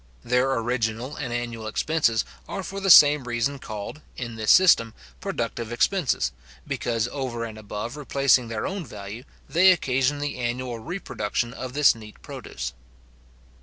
Their original and annual expenses are for the same reason called, In this system, productive expenses, because, over and above replacing their own value, they occasion the annual reproduction of this neat produce.